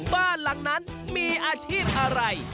บ้านหลังนั้นมีอาชีพอะไร